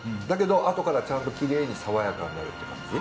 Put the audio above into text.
だけどあとからちゃんときれいに爽やかになるって感じ？